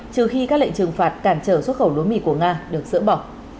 trừ khi các lệnh trừng phạt cản trở xuất khẩu lúa mì của nga được dỡ bỏ